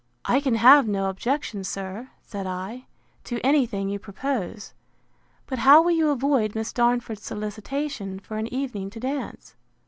I can have no objection, sir, said I, to any thing you propose; but how will you avoid Miss Darnford's solicitation for an evening to dance?